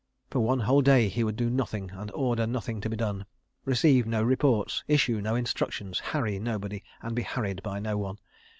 ... For one whole day he would do nothing and order nothing to be done; receive no reports, issue no instructions, harry nobody and be harried by none.